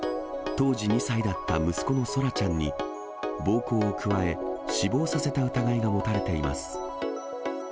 当時２歳だった息子の空来ちゃんに、暴行を加え、死亡させた疑いが持たれています。